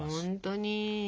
ほんとに。